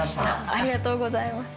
ありがとうございます。